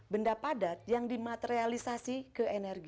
benda padat yang dimaterialisasi ke energi